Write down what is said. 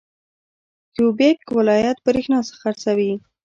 کیوبیک ولایت بریښنا خرڅوي.